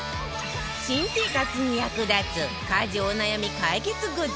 新生活に役立つ家事お悩み解決グッズ